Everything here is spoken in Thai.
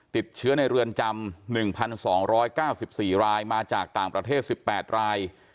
ติดเชื้อในเรือนจำ๑๒๙๔รายมาจากต่างประเทศ๑๘ราย